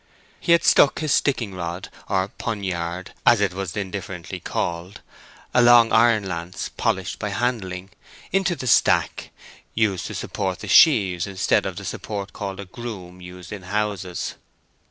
He had stuck his ricking rod, or poniard, as it was indifferently called—a long iron lance, polished by handling—into the stack, used to support the sheaves instead of the support called a groom used on houses.